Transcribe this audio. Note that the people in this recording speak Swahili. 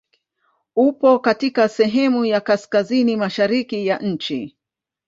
Upo katika sehemu ya kaskazini mashariki ya nchi.